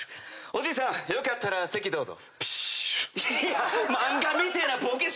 おじいさんよかったらどうぞ。